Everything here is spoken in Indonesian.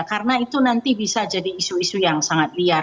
karena itu nanti bisa jadi isu isu yang sangat liar